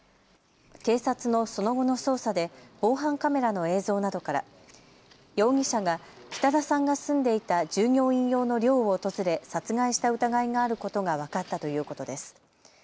警察のその後の捜査で防犯カメラの映像などから容疑者が北田さんが住んでいた従業員用の寮を訪れ殺害した疑いがあることが分かったということです。